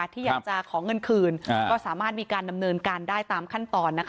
ที่อยากจะขอเงินคืนก็สามารถมีการดำเนินการได้ตามขั้นตอน